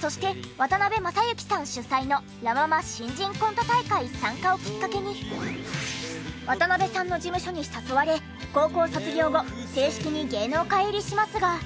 そして渡辺正行さん主催のラ・ママ新人コント大会参加をきっかけに渡辺さんの事務所に誘われ高校卒業後正式に芸能界入りしますが。